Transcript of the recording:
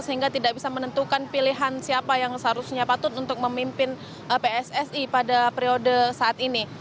sehingga tidak bisa menentukan pilihan siapa yang seharusnya patut untuk memimpin pssi pada periode saat ini